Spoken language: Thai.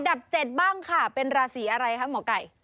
ับ๗บ้างค่ะเป็นราศีอะไรคะหมอไก่